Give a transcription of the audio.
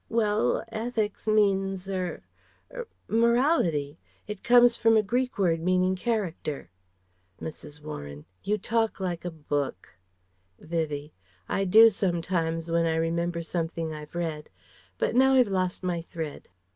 "Well 'ethics' means er er 'morality'; it comes from a Greek word meaning 'character.'..." Mrs. Warren: "You talk like a book " Vivie: "I do sometimes, when I remember something I've read. But now I've lost my thread....